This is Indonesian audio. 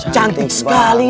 cantik sekali eh